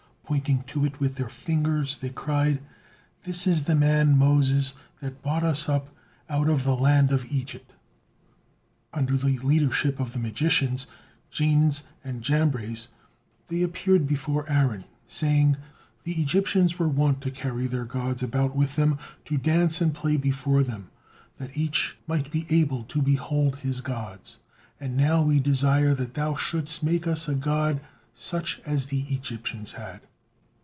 Pointing to it with their fingers, they cried: "This is the man Moses that bought us up out of the land of Egypt." Under the leadership of the magicians Jannes and Jambres, they appeared before Aaron, saying: "The Egyptians were wont to carry their gods about with them, to dance and play before them, that each might be able to behold his gods; and now we desire that thou shouldst make us a god such as the Egyptians had."